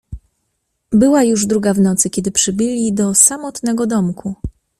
"Była już druga w nocy, kiedy przybyli do samotnego domku."